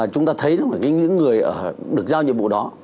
chúng ta thấy những người được giao nhiệm vụ đó